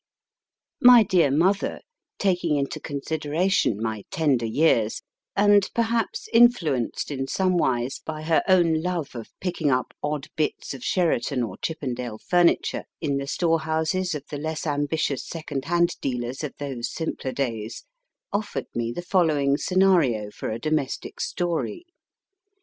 My dear mother, taking into consideration my tender years, and perhaps influenced in somewise by her own love of picking up odd bits of She raton or Chippendale furni ture in the storehouses of the less ambitious second hand dealers of those simpler days, offered me the following scenario for a domestic story.